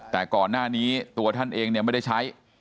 แต่ก่อนหน้านี้ตัวท่านเองเนี่ยไม่ได้ใช้